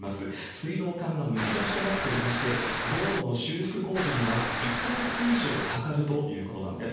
水道管がむき出しとなっていまして、道路の修復工事には１か月以上かかるということなんです。